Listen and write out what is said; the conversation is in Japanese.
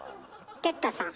哲太さん。